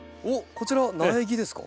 こちらは苗木ですか？